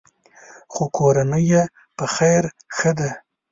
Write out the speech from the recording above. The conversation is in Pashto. خو کورنۍ یې په خیر ښه ده.